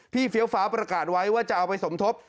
เฟี้ยวฟ้าประกาศไว้ว่าจะเอาไปสมทบ